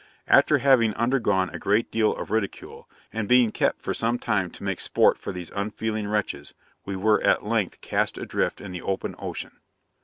After having undergone a great deal of ridicule, and been kept for some time to make sport for these unfeeling wretches, we were at length cast adrift in the open ocean.